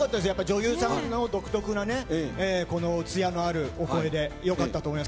女優さんの独特なつやのあるお声で良かったと思います。